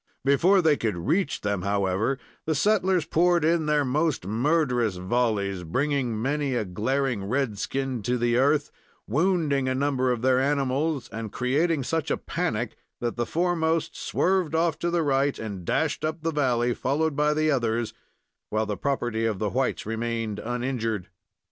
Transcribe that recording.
Before they could reach them, however, the settlers poured in their most murderous volleys, bringing many a glaring red skin to earth, wounding a number of their animals, and creating such a panic that the foremost swerved off to the right and dashed up the valley, followed by the others, while the property of the whites remained uninjured.